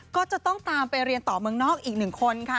ก็จะต้องตามไปเรียนต่อเมืองนอกอีกหนึ่งคนค่ะ